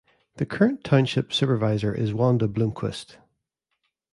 The current Township Supervisor is Wanda Bloomquist.